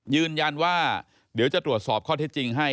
ยืนยันว่าเดี๋ยวจะตรวจสอบข้อเท็จจริงให้